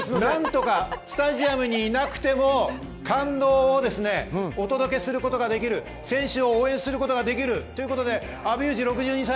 スタジアムにいなくても感動をお届けすることができる、選手を応援することができるということで、阿部祐二６２歳。